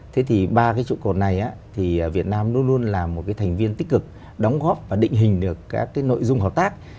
thế thì ba cái trụ cột này thì việt nam luôn luôn là một cái thành viên tích cực đóng góp và định hình được các cái nội dung hợp tác